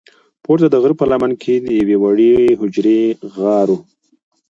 پورته د غره په لمنه کې د یوې وړې حجرې غار و.